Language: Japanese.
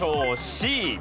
Ｃ。